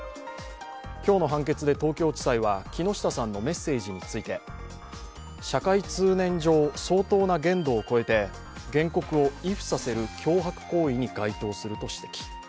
今日の判決で東京地裁は木下さんのメッセージについて社会通念上相当な限度を超えて原告を畏怖させる脅迫行為に該当すると指摘。